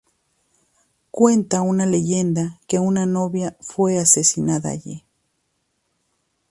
Cuenta una leyenda que una novia fue asesinada allí.